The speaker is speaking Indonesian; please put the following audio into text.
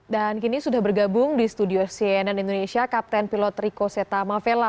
dan kini sudah bergabung di studio cnn indonesia kapten pilot riko seta mavela